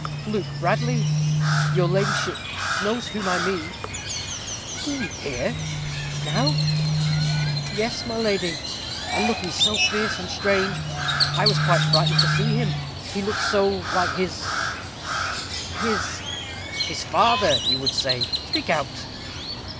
"Luke Bradley; your ladyship knows whom I mean." "He here now? " "Yes, my lady; and looking so fierce and strange, I was quite frightened to see him. He looked so like his his " "His father, you would say. Speak out."